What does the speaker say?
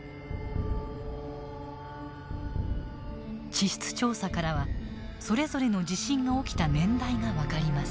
地質調査からはそれぞれの地震が起きた年代が分かります。